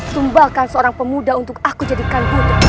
sumbakan seorang pemuda untuk aku jadikan buddha